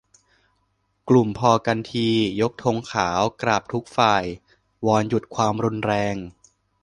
กลุ่มพอกันที ! ยกธงขาว กราบทุกฝ่าย วอนหยุดความรุนแรง